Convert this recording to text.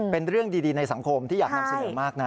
เป็นเรื่องดีในสังคมที่อยากนำเสนอมากนะ